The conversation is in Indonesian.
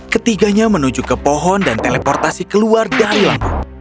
ketiganya menuju ke pohon dan teleportasi keluar dari lampung